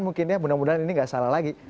mungkin ya mudah mudahan ini nggak salah lagi